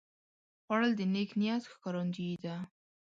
خوړل د نیک نیت ښکارندویي ده